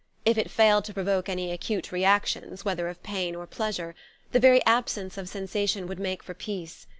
If it failed to provoke any acute reactions, whether of pain or pleasure, the very absence of sensation would make for peace.